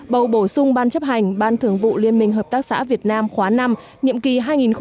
bầu bổ sung ban chấp hành ban thường vụ liên minh hợp tác xã việt nam khóa năm nhiệm kỳ hai nghìn một mươi sáu hai nghìn hai mươi một